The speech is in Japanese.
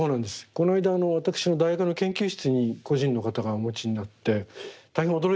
この間私の大学の研究室に個人の方がお持ちになって大変驚いたんですけども。